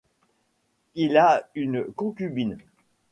Il a une concubine.